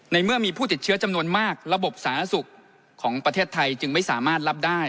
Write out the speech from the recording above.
เมื่อมีผู้ติดเชื้อจำนวนมากระบบสาธารณสุขของประเทศไทยจึงไม่สามารถรับได้